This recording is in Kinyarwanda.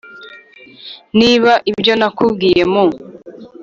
niba ibyo nakubwiye wu